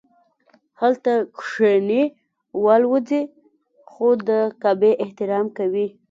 هلته کښیني والوځي خو د کعبې احترام کوي.